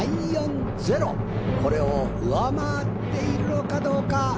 これを上回っているのかどうか。